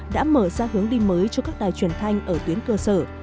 đã mở ra hướng đi mới cho các đài truyền thanh ở tuyến cơ sở